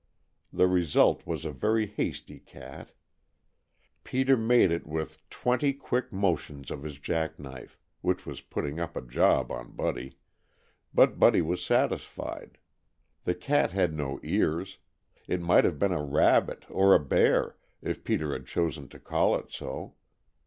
The result was a very hasty cat. Peter made it with twenty quick motions of his jack knife which was putting up a job on Buddy but Buddy was satisfied. The cat had no ears. It might have been a rabbit or a bear, if Peter had chosen to call it so.